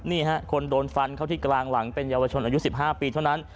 ก็ตีกันเหมือนเริ่มครับคนโดนฟันเขาที่กลางหลังเป็นเยาวชนอายุ๑๕ปีเท่านั้น